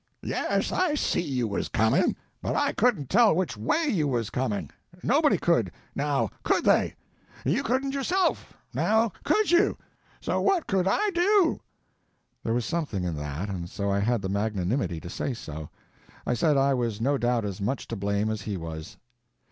"Yes, I see you was coming, but I couldn't tell which WAY you was coming. Nobody could—now, _could _they? You couldn't yourself—now, could you? So what could I do?" There was something in that, and so I had the magnanimity to say so. I said I was no doubt as much to blame as he was.